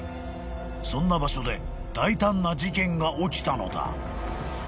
［そんな場所で大胆な事件が起きたのだ］